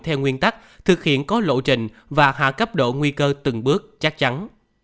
theo nguyên tắc thực hiện có lộ trình và hạ cấp độ nguy cơ từng bước chắc chắn